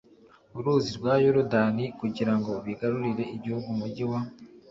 uruzi rwa Yorodani kugira ngo bigarurire igihugu Umugi wa